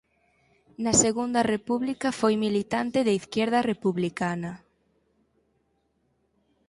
Na Segunda República foi militante de Izquierda Republicana.